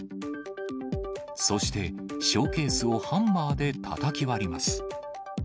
そして、ショーケースをハンマーでたたき割ります。